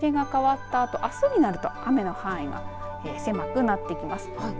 ただ日付が変わったあとあすになると雨の範囲が狭くなってきます。